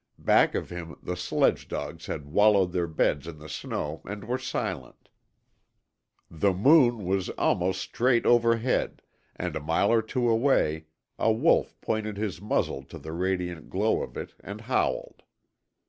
Back of him the sledge dogs had wallowed their beds in the snow and were silent. The moon was almost straight overhead, and a mile or two away a wolf pointed his muzzle to the radiant glow of it and howled.